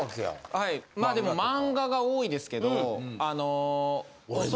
はいでも漫画が多いですけど恐らく。